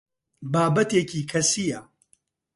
بابەتێکی کەسییە.